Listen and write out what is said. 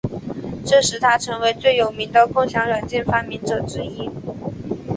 这使他成为最有名的共享软件发明者之一。